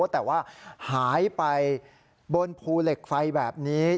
แต่ว่าหายไปบนภูเหล็กไฟแบบนี้